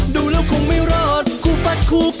ดูแล้วคงไม่รอดเพราะเราคู่กัน